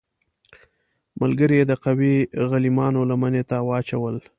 ملګري یې د قوي غلیمانو لمنې ته واچول.